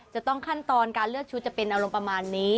ขั้นตอนการเลือกชุดจะเป็นอารมณ์ประมาณนี้